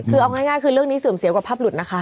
คือเอาง่ายคือเรื่องนี้เสื่อมเสียกับภาพหลุดนะคะ